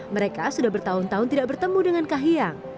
mereka sudah bertahun tahun tidak bertemu dengan kahiyang